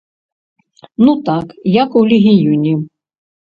Ну так, як у легіёне.